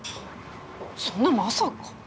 そんなまさか。